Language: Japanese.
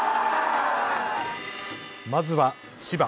まずは千葉。